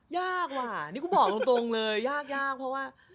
ยากว่ะนี่ก็บอกตรงเลยยากยากเพราะว่า